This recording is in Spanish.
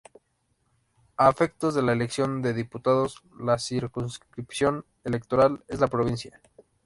A efectos de la elección de diputados, la circunscripción electoral es la provincia.